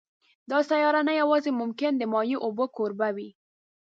دا سیاره نه یوازې ممکن د مایع اوبو کوربه وي